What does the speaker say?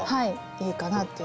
いいかなっていう。